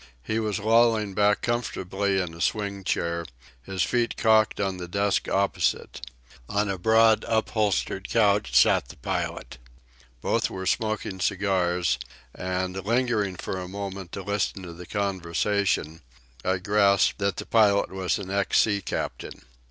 He was lolling back comfortably in a swing chair, his feet cocked on the desk opposite. On a broad, upholstered couch sat the pilot. Both were smoking cigars; and, lingering for a moment to listen to the conversation, I grasped that the pilot was an ex sea captain.